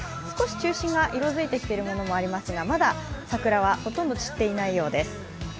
少し中心が色づいてきているものもありますがまだ、桜はほとんど散っていないようです。